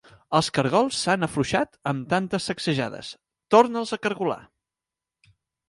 Els cargols s'han afluixat amb tantes sacsejades: torna'ls a cargolar.